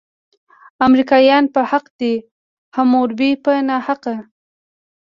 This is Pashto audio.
امریکایان په حقه دي، حموربي په ناحقه.